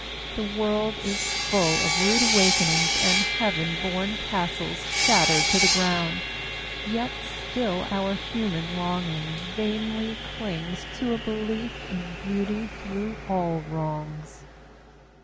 The world is full of rude awakenings And heaven born castles shattered to the ground, Yet still our human longing vainly clings To a belief in beauty through all wrongs.